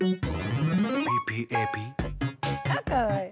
あかわいい。